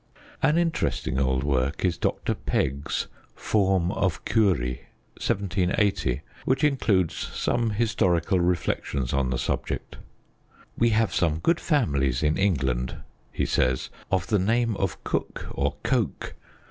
An interesting old English work is Dr Pegge's Forme ofCury (1780), which includes some historical reflections on the subject. " We have some good families in England," he says, " of the name of Cook or Coke.